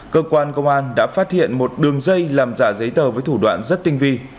cơ quan công an đã phát hiện một đường dây làm giả giấy tờ với thủ đoạn rất tinh vi